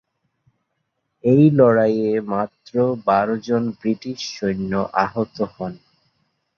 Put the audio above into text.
এই লড়াইয়ে মাত্র বারো জন ব্রিটিশ সৈন্য আহত হন।